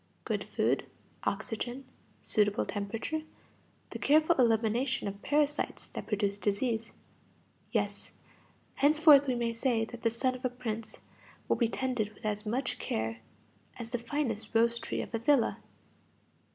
Good food, oxygen, suitable temperature, the careful elimination of parasites that produce disease; yes, henceforth we may say that the son of a prince will be tended with as much care as the finest rose tree of a villa.